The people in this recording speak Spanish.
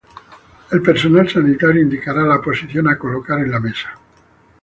El personal sanitario indicará la posición a colocar en la mesa.